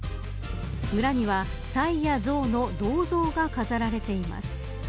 村には、サイやゾウの銅像が飾られています。